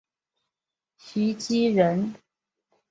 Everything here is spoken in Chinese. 徐积人。